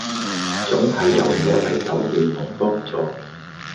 總係由我嚟守護同幫助